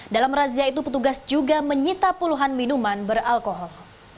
dalam razia itu petugas juga menyita puluhan minuman beralkohol